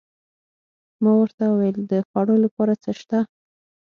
ما ورته وویل: د خوړو لپاره څه شته؟